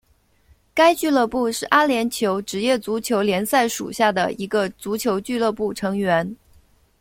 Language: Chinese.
该俱乐部是阿联酋职业足球联赛属下的一个足球俱乐部成员。